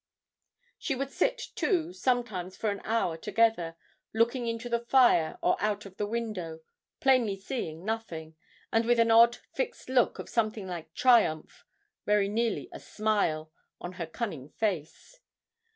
She would sit, too, sometimes for an hour together, looking into the fire or out of the window, plainly seeing nothing, and with an odd, fixed look of something like triumph very nearly a smile on her cunning face.